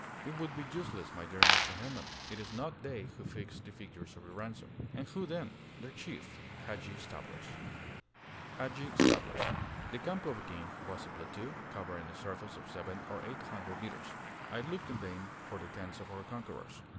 "It would be useless, my dear Mr. Hermann! It is not they who fix the figures of your ransom." "And who then?" "Their chief, Hadgi Stavros." HADGI STAVROS From 'The King of the Mountains' The camp of the King was a plateau, covering a surface of seven or eight hundred metres. I looked in vain for the tents of our conquerors.